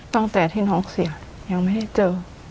ตั้งแต่ที่น้องเสียยังไม่ได้เจอ